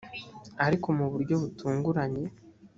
ariko mu buryo butunguranye